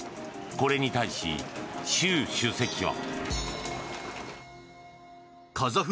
これに対し、習主席は。